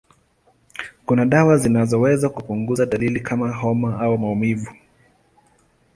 Kuna dawa zinazoweza kupunguza dalili kama homa au maumivu.